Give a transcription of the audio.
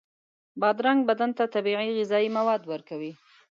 بادرنګ بدن ته طبیعي غذایي مواد ورکوي.